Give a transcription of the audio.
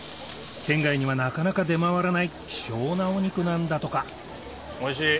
県外にはなかなか出回らない希少なお肉なんだとかおいしい！